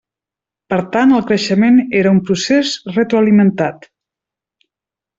Per tant el creixement era un procés retroalimentat.